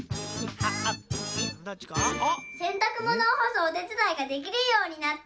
洗たく物を干すお手伝いができるようになった。